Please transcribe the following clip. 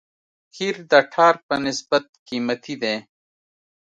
قیر د ټار په نسبت قیمتي دی